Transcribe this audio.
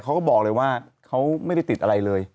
เขาก็บอกเลยว่าเขาไม่ได้ติดอะไรเลย